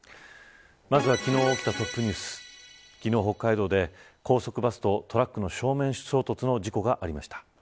まずは昨日起きたトップニュース昨日、北海道で高速バスとトラックの正面衝突の事故がありました。